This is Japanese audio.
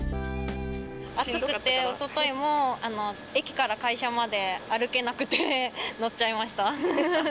暑くて、おとといも、駅から会社まで歩けなくて、乗っちゃいました。